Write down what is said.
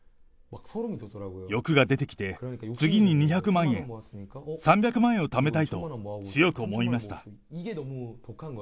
欲が出てきて、次に２００万円、３００万円をためたいと強く思いました。